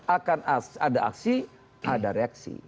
akan ada aksi ada reaksi